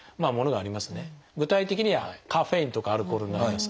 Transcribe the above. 具体的にはカフェインとかアルコールになります。